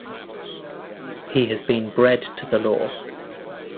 He has been bred to the law.